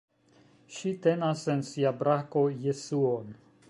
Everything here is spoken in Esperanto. Ŝi tenas en sia brako Jesuon.